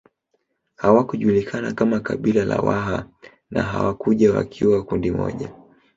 Hawakujulikana kama kabila la Waha na hawakuja wakiwa kundi moja